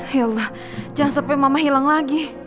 ya allah jangan sampai mama hilang lagi